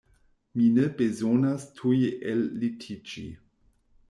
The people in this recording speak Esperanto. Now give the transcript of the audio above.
Mi ne bezonas tuj ellitiĝi.